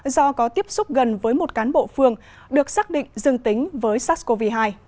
do có tiếp xúc gần với một cán bộ phường được xác định dương tính với sars cov hai